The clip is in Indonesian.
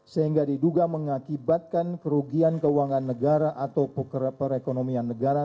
sehingga diduga mengakibatkan kerugian keuangan negara atau perekonomian negara